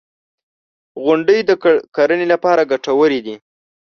• غونډۍ د کرنې لپاره ګټورې دي.